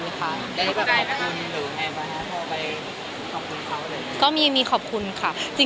มีความขอบคุณหรือแค่ไหมพอไปขอบคุณเขาเลย